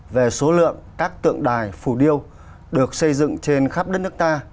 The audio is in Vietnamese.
về số lượng các tượng đài phù điêu được xây dựng trên khắp đất nước ta